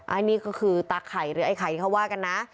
อันนี้ก็คือตาไข่หรือไอ้ไข่เขาว่ากันนะ